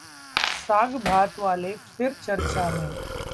साग-भात वाले फिर चर्चा में